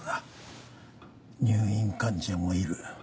入院患者もいる。